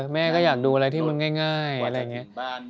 แม่ก็อยากดูอะไรที่มันง่ายอะไรอย่างนี้